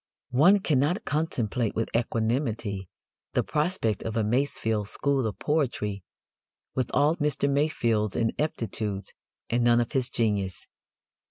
One cannot contemplate with equanimity the prospect of a Masefield school of poetry with all Mr. Masefield's ineptitudes and none of his genius.